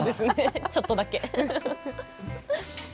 ちょっとだけ。